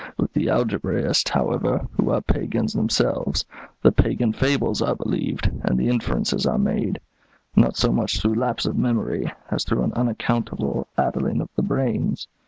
With the algebraists, however, who are pagans themselves, the 'pagan fables' are believed, and the inferences are made, not so much through lapse of memory as through an unaccountable addling of the brains.